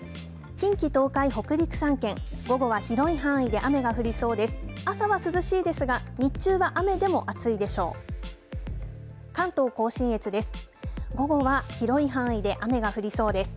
近畿、東海、北陸３県午後は広い範囲で雨が降りそうです。